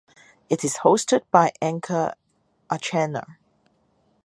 It is hosted by anchor Archana.